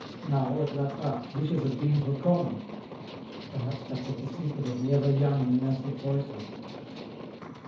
Now, at La Trappe, dishes of beans were common ; perhaps that was the secret of the ever young monastic voices.